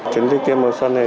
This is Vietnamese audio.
chứng dịch tiêm mùa xuân này